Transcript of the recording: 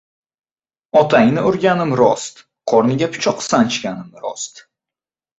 Otangni urganim — rost! Qorniga pichoq sanchganim rost!